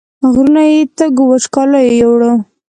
غرور یې تږو وچکالیو یووړ